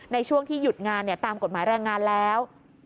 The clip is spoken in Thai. ในช่วงที่หยุดงานตามกฎหมายแรงงานแล้ว